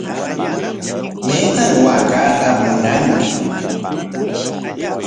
¿Mayqan waakaatam munanki?